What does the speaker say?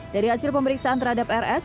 dari hasil pemeriksaan terhadap rs